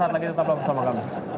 tetap bersama kami